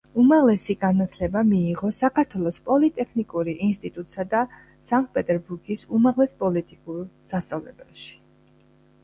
უმაღლესი განათლება მიიღო საქართველოს პოლიტექნიკური ინსტიტუტსა და სანქტ-პეტერბურგის უმაღლეს პოლიტიკური სასწავლებელში.